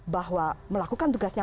bahwa melakukan tugasnya